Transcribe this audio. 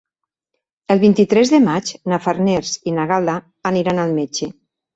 El vint-i-tres de maig na Farners i na Gal·la aniran al metge.